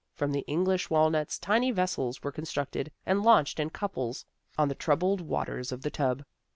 From the English walnuts, tiny vessels were constructed and launched in couples on the troubled waters of the tub.